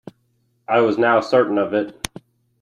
I was now certain of it.